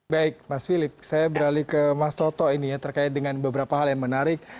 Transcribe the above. baik mas philip saya beralih ke mas toto ini ya terkait dengan beberapa hal yang menarik